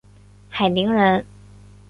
海宁人。